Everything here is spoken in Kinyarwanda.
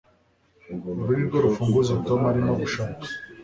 uru nirwo rufunguzo tom arimo gushaka